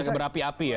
mas fik berapi api ya